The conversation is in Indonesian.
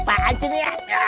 apaan sih ini ya